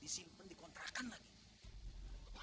ziru sekolah you